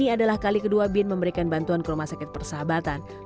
ini adalah kali kedua bin memberikan bantuan ke rumah sakit persahabatan